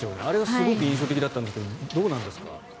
あれがすごく印象的だったんですがどうなんですか？